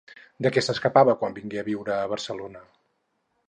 De què s'escapava quan vingué a viure a Barcelona?